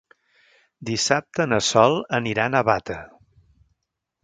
Dissabte na Sol anirà a Navata.